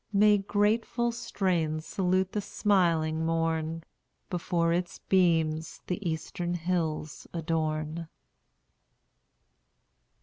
May grateful strains salute the smiling morn, Before its beams the eastern hills adorn!